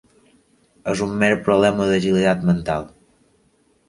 És un mer problema d'agilitat mental.